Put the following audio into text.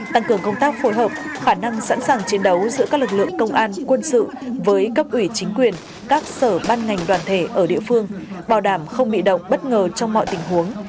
tăng cường công tác phối hợp khả năng sẵn sàng chiến đấu giữa các lực lượng công an quân sự với cấp ủy chính quyền các sở ban ngành đoàn thể ở địa phương bảo đảm không bị động bất ngờ trong mọi tình huống